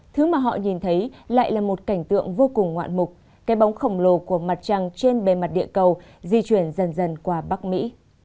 thứ mà họ nhìn thấy lại là một cảnh tượng vô cùng ngoạn mục cái bóng khổng lồ của mặt trăng trên bề mặt địa cầu di chuyển dần qua bắc mỹ